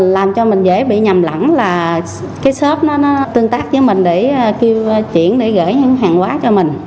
làm cho mình dễ bị nhầm lẳng là cái shop nó tương tác với mình để chuyển để gửi những hàng quá cho mình